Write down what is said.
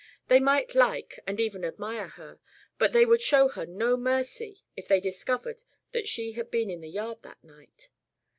They might like and even admire her, but they would show her no mercy if they discovered that she had been in the yard that night.